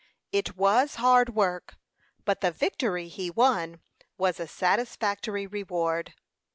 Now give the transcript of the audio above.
It was hard work, but the victory he won was a satisfactory reward.